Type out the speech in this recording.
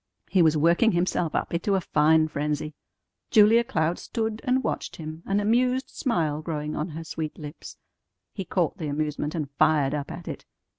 He was working himself up into a fine frenzy. Julia Cloud stood and watched him, an amused smile growing on her sweet lips. He caught the amusement, and fired up at it.